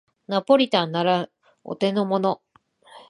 ナポリタンならお手のもの